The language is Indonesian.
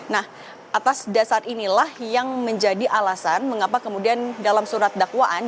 nah atas dasar inilah yang menjadi alasan mengapa kemudian dalam surat dakwaan